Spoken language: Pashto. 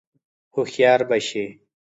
هوښیار به شې !